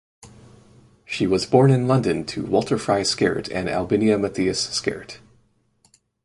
She was born in London to Walter Frye Skerrett and Albinia Mathias Skerrett.